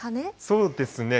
そうですね。